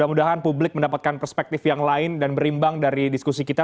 dan mudah mudahan publik mendapatkan perspektif yang lain dan berimbang dari diskusi kita